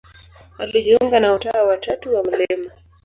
Alijiunga na Utawa wa Tatu wa Mt.